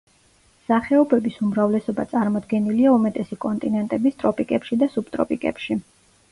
სახეობების უმრავლესობა წარმოდგენილია უმეტესი კონტინენტების ტროპიკებში და სუბტროპიკებში.